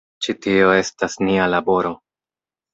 Ĉi tio estas nia laboro.